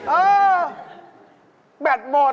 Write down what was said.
เออแบตหมด